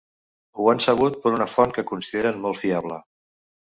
Ho han sabut per una font que consideren molt fiable.